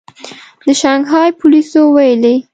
د شانګهای پولیسو ویلي